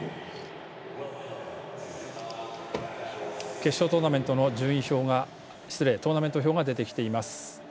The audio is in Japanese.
決勝トーナメント表が出てきています。